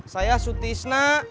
saya su tisna